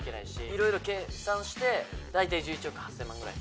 いろいろ計算して大体１１億８０００万くらい。